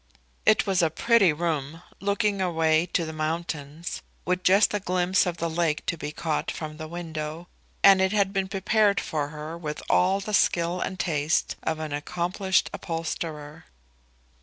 It was a pretty room, looking away to the mountains, with just a glimpse of the lake to be caught from the window, and it had been prepared for her with all the skill and taste of an accomplished upholsterer.